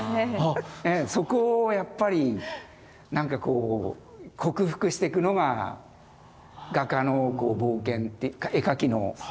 そこをやっぱりなんかこう克服していくのが画家の冒険絵描きの。